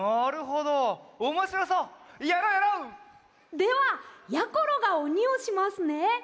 ではやころがおにをしますね。